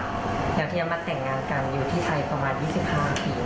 เดี๋ยวที่จะมาแต่งงานกันอยู่ที่ไทยประมาณ๒๕ปี